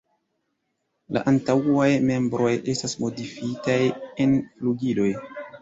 La antaŭaj membroj estas modifitaj en flugiloj.